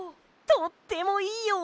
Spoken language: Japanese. とってもいいよ！